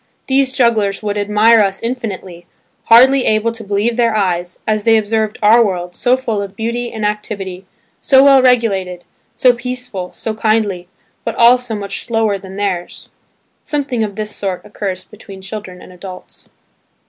These jugglers would admire us infinitely, hardly able to believe their eyes, as they observed our world, so full of beauty and activity, so well regulated, so peaceful, so kindly, but all so much slower than theirs. Something of this sort occurs between children and adults.